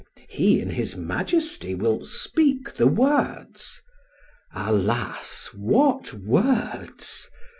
He, in his majesty, will speak the words alas! what words!